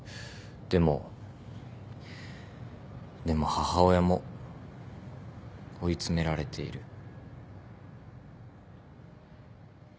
でも母親も追い詰められている。